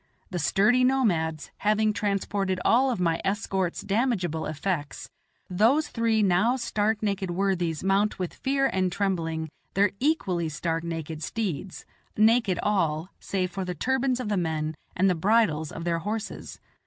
The sturdy nomads, having transported all of my escort's damageable effects, those three now stark naked worthies mount with fear and trembling their equally stark naked steeds naked all, save for the turbans of the men and the bridles of their horses.